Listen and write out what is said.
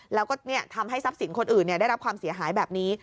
แล้วก็ทำให้ทรัพย์สินคนอื่นได้รับความเสียหายแบบนี้